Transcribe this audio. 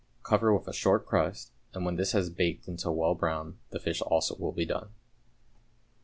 Cover with a "short" crust, and when this has baked until well brown, the fish also will be done.